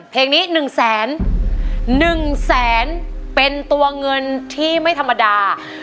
เพลงนี้หนึ่งแสนหนึ่งแสนเป็นตัวเงินที่ไม่ธรรมดา